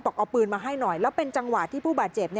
เอาปืนมาให้หน่อยแล้วเป็นจังหวะที่ผู้บาดเจ็บ